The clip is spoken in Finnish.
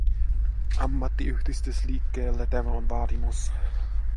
Ammattiyhdistysliikkeelle tämä on vaatimus.